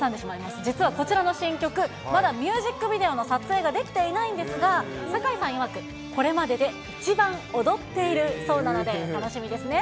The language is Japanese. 実はこちらの新曲、まだミュージックビデオの撮影ができていないんですが、酒井さんいわく、これまでで一番踊っているそうなので楽しみですね。